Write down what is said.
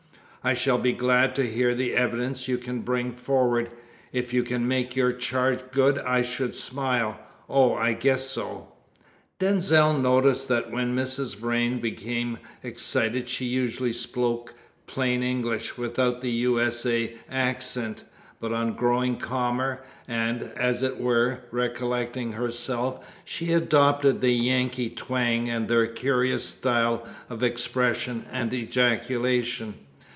I shall be glad to hear the evidence you can bring forward. If you can make your charge good I should smile. Oh, I guess so!" Denzil noticed that when Mrs. Vrain became excited she usually spoke plain English, without the U. S. A. accent, but on growing calmer, and, as it were, recollecting herself, she adopted the Yankee twang and their curious style of expression and ejaculation.